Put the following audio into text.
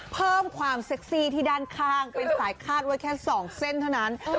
เพิ่มความเซ็กซี่ที่ด้านข้างเป็นสายคาดไว้แค่๒เส้นเท่านั้น